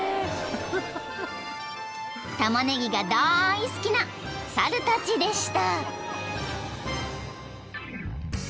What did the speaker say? ［タマネギが大好きな猿たちでした］